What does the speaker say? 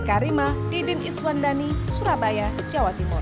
eka rima didin iswandani surabaya jawa timur